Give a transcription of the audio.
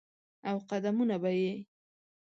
او قدمونه به یې،